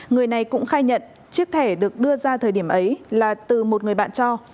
người này cũng khai nhận chiếc thẻ được đưa ra thời điểm ấy là từ một người bạn cho